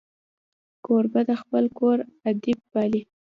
کوربه د خپل کور ادب پالي.